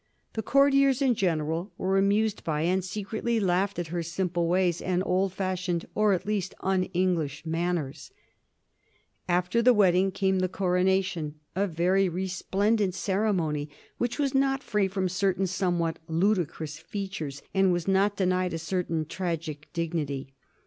The courtiers in general were amused by, and secretly laughed at, her simple ways and old fashioned or at least un English manners. [Sidenote 1761 The Coronation of George the Third] After the wedding came the coronation, a very resplendent ceremony, which was not free from certain somewhat ludicrous features, and was not denied a certain tragic dignity.